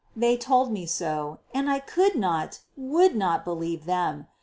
They told me so, and I could not, would not, believe them.